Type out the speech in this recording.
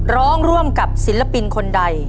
ร่วมกับศิลปินคนใด